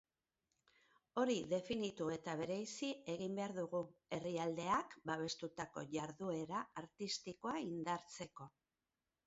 Hori definitu eta bereizi egin behar dugu, herrialdeak babestutako jarduera artistikoa indartzeko.